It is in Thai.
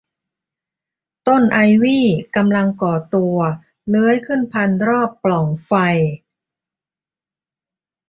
ต้นไอวี่กำลังก่อตัวเลื้อยขึ้นพันรอบปล่องไฟ